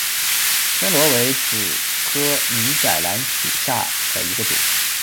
山椤为楝科米仔兰属下的一个种。